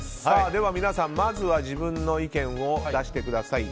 では皆さん、まずは自分の意見を出してください。